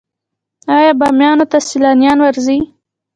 آیا بامیان ته سیلانیان ورځي؟